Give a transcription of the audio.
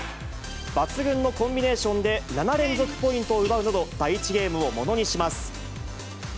抜群のコンビネーションで、７連続ポイントを奪うなど、第１ゲームをものにします。